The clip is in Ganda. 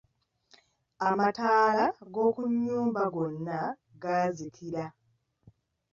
Amataala g'okunnyumba gonna gaazikila.